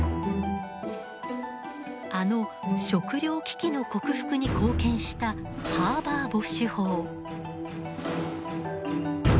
あの食糧危機の克服に貢献したハーバー・ボッシュ法。